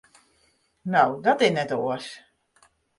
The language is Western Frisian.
No, dan is it net oars.